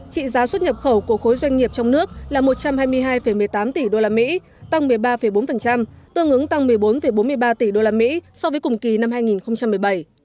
trị giá xuất nhập khẩu của khối doanh nghiệp trong nước là một trăm hai mươi hai một mươi tám tỷ đô la mỹ tăng một mươi ba bốn tương ứng tăng một mươi bốn bốn mươi ba tỷ đô la mỹ so với cùng kỳ năm hai nghìn một mươi bảy